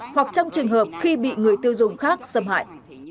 hoặc trong trường hợp khi bị người tiêu dùng khác xâm hại